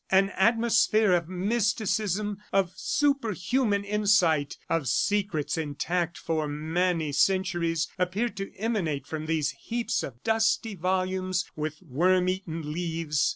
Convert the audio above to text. An atmosphere of mysticism, of superhuman insight, of secrets intact for many centuries appeared to emanate from these heaps of dusty volumes with worm eaten leaves.